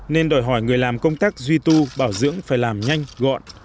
nên đòi hỏi người làm công tác duy tu bảo dưỡng phải làm nhanh gọn